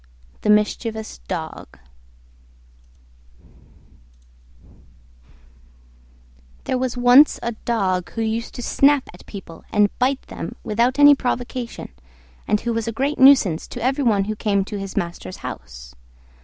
THE MISCHIEVOUS DOG There was once a Dog who used to snap at people and bite them without any provocation, and who was a great nuisance to every one who came to his master's house.